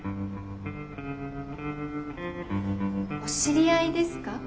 お知り合いですか？